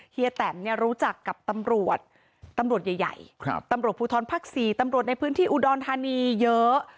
เฮีแตมเนี่ยรู้จักกับตำรวจตำรวจใหญ่ตำรวจภูทรภาค๔ตำรวจในพื้นที่อุดรธานีเยอะ